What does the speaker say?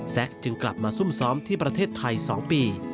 จึงกลับมาซุ่มซ้อมที่ประเทศไทย๒ปี